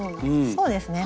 そうですね